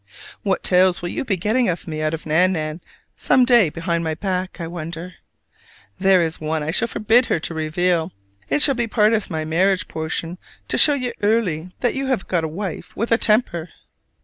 What tales will you be getting of me out of Nan nan, some day behind my back, I wonder? There is one I shall forbid her to reveal: it shall be part of my marriage portion to show you early that you have got a wife with a temper!